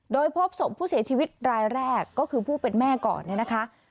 โดยพบศพผู้เสียชีวิตรายแรกก็คือผู้เป็นแม่ก่อนเนี่ยนะคะ